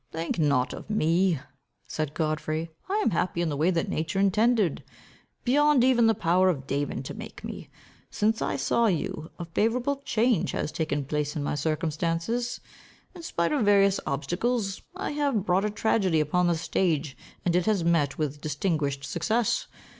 "Think not of me," said Godfrey, "I am happy in the way that nature intended, beyond even the power of Damon to make me. Since I saw you, a favourable change has taken place in my circumstances. In spite of various obstacles, I have brought a tragedy upon the stage, and it has met with distinguished success.